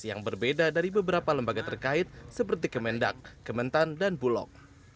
yang berbeda dari beberapa lembaga terkait seperti kemendak kementan dan bulog